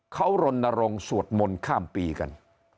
เขารณรงค์สวดมนต์ข้ามปีกัน